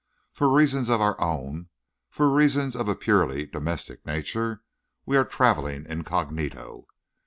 For reasons of our own, for reasons of a purely domestic nature, we are traveling incognito.